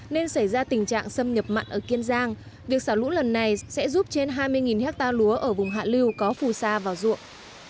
nên xảy ra tình trạng xâm nhập mặn ở kiên giang việc xả lũ lần này sẽ giúp trên hai mươi hectare lúa ở vùng hạ lưu có phù sa vào ruộng